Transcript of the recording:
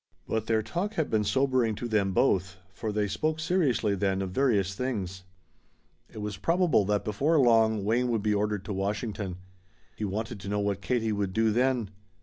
But their talk had been sobering to them both, for they spoke seriously then of various things. It was probable that before long Wayne would be ordered to Washington. He wanted to know what Katie would do then.